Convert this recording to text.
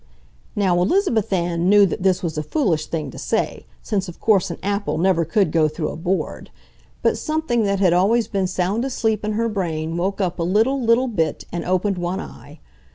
Now Elizabeth Ann knew that this was a foolish thing to say, since of course an apple never could go through a board; but something that had always been sound asleep in her brain woke up a little, little bit and opened one eye.